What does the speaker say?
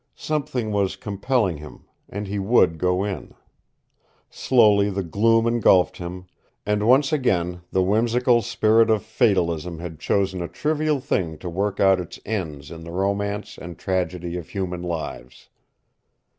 Something was compelling him, and he would go in. Slowly the gloom engulfed him, and once again the whimsical spirit of fatalism had chosen a trivial thing to work out its ends in the romance and tragedy of human lives.